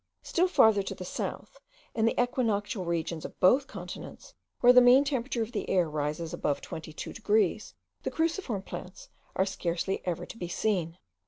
Still farther to the south, in the equinoctial regions of both continents, where the mean temperature of the air rises above twenty two degrees, the cruciform plants are scarcely ever to be seen.